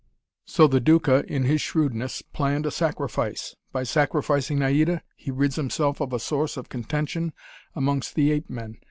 So the Duca, in his shrewdness, planned a sacrifice. By sacrificing Naida, he rids himself of a source of contention amongst the ape men.